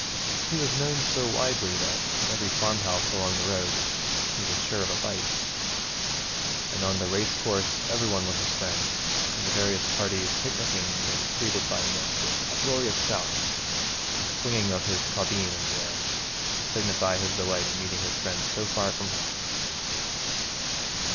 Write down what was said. He was known so widely that at every farmhouse along the road he was sure of a bite. And on the race course every one was his friend; and the various parties picnicking were greeted by Mick with uproarious shouts and a flinging of his caubeen in the air, to signify his delight at meeting his friends so far from home.